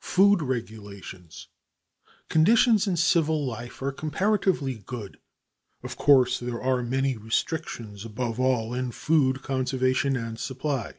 Food Regulations Conditions in civil life are comparatively good. Of course, there are many restrictions, above all in food conservation and supply.